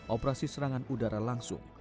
operasi serangan udara langsung